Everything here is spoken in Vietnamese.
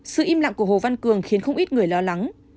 sự im lặng của hồ văn cường khiến không ít người lo lắng